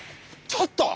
ちょっと！